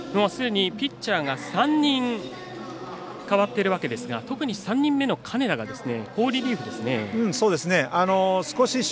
すでにピッチャーが３人代わっているわけですが特に３人目の金田が好リリーフですね。